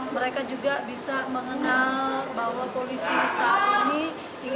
mereka juga bisa mengenal bahwa polisi saat ini